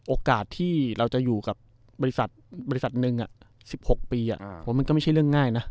โอกาสที่เราจะอยู่กับบริษัทบริษัทหนึ่ง๑๖ปีผมมันก็ไม่ใช่เรื่องง่ายนะ